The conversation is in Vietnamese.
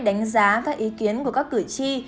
đánh giá các ý kiến của các cử tri